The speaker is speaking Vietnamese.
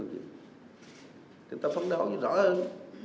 chúng ta phóng đoán rõ hơn